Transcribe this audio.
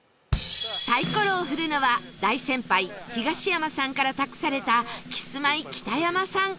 サイコロを振るのは大先輩東山さんから託されたキスマイ北山さん